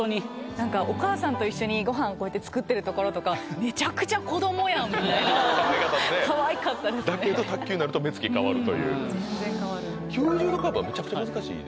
何かお母さんと一緒にご飯こうやって作ってるところとかかわいかったですねかわいかったですねだけど卓球になると目つき変わる全然変わる９０度カーブはめちゃくちゃ難しい？